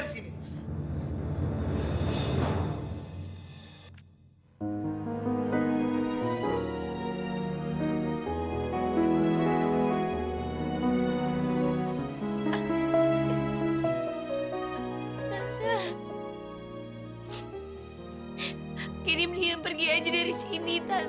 aku harus mencari dia